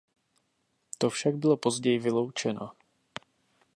To však bylo později vyloučeno.